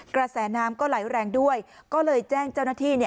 กระแสน้ำก็ไหลแรงด้วยก็เลยแจ้งเจ้าหน้าที่